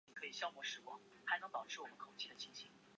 他在科学哲学领域颇具影响力。